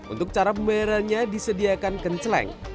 untuk cara pembayarannya disediakan kenceleng